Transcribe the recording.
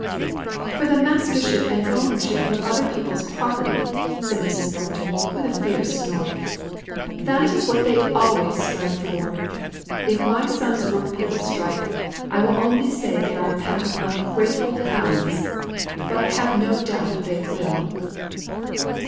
"For the mastership and ownership of other people's property," said Mrs. Thornton, with a fierce snort. "That is what they always strike for. If my son's work people strike, I will only say they are a pack of ungrateful hounds. But I have no doubt they will."